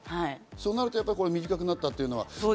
そうなると短くなったというのは。